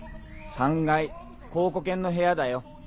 ３階考古研の部屋だよ。